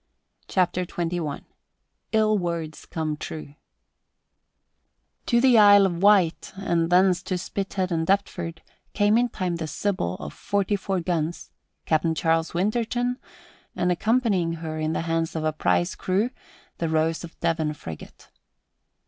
CHAPTER XXI ILL WORDS COME TRUE To the Isle of Wight, and thence to Spithead and Deptford, came in time the Sybil of forty four guns, Captain Charles Winterton, and accompanying her, in the hands of a prize crew, the Rose of Devon frigate.